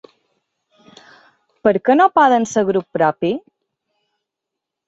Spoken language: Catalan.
Per què no poden ser grup propi?